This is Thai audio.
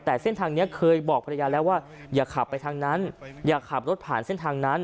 แต่เส้นทางนี้เคยบอกภรรยาแล้วว่าอย่าขับไปทางนั้นอย่าขับรถผ่านเส้นทางนั้น